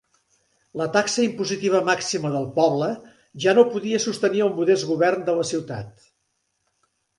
La taxa impositiva màxima del "Poble" ja no podia sostenir al modest govern de la ciutat.